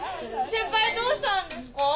先輩どうしたんですか？